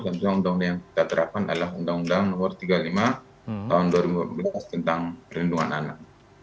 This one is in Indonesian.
jadi undang undang yang kita terapkan adalah undang undang nomor tiga puluh lima tahun dua ribu empat belas tentang perlindungan anak